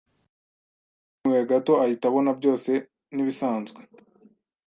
yarumiwe gato ahita abona byose nibisanzwe.